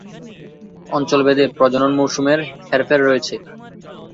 অঞ্চলভেদে প্রজনন মৌসুমের হেরফের রয়েছে।।